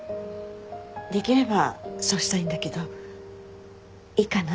できればそうしたいんだけどいいかな？